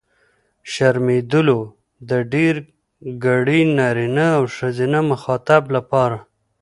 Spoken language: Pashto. شرمېدلو! د ډېرګړي نرينه او ښځينه مخاطب لپاره.